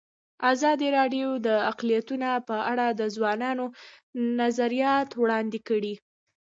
ازادي راډیو د اقلیتونه په اړه د ځوانانو نظریات وړاندې کړي.